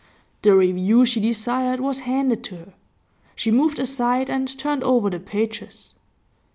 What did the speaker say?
The review she desired was handed to her; she moved aside, and turned over the pages.